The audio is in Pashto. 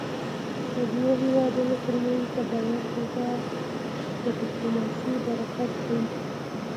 د دوو هېوادونو ترمنځ د باور فضا د ډيپلوماسی برکت دی .